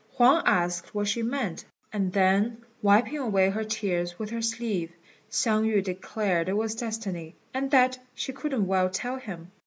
Huang asked what she meant; and then wiping away her tears with her sleeve, Hsiang yü declared it was destiny, and that she couldn't well tell him.